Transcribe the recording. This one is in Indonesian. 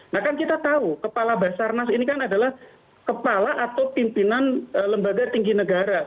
nah kan kita tahu kepala basarnas ini kan adalah kepala atau pimpinan lembaga tinggi negara